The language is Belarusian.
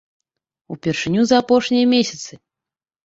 Упершыню за апошнія месяцы.